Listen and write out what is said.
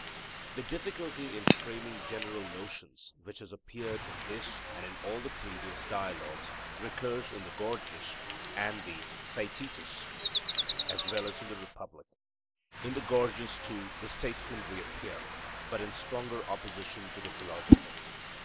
The difficulty in framing general notions which has appeared in this and in all the previous Dialogues recurs in the Gorgias and Theaetetus as well as in the Republic. In the Gorgias too the statesmen reappear, but in stronger opposition to the philosopher.